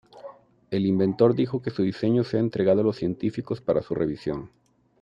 El inventor dijo que su diseño sea entregado a los científicos para su revisión.